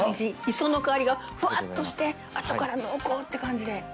磯の香りがフワッとしてあとから濃厚って感じで。